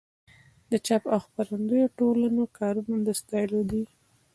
د چاپ او خپرندویه ټولنو کارونه د ستایلو دي.